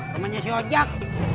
temennya si ojak